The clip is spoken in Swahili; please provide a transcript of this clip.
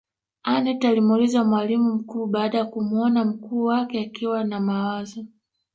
aneth alimuuliza mwalimu mkuu baada ya kumuona mkuu wake akiwa na mawazo